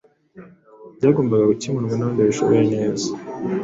byagombaga gukemurwa n’abandi babishoboye neza.